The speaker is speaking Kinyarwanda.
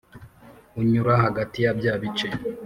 Unyura hagati ya bya bice